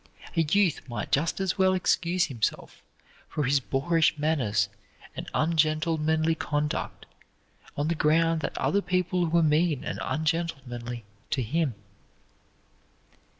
A youth might just as well excuse himself for his boorish manners and ungentlemanly conduct on the ground that other people were mean and ungentlemanly to him.